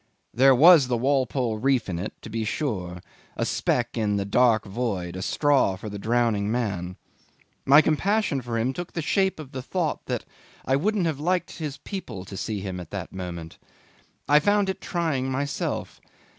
There was the Walpole Reef in it to be sure a speck in the dark void, a straw for the drowning man. My compassion for him took the shape of the thought that I wouldn't have liked his people to see him at that moment. I found it trying myself.